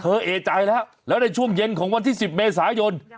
เอใจแล้วแล้วในช่วงเย็นของวันที่๑๐เมษายน